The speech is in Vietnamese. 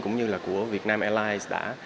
cũng như là của vietnam airlines đã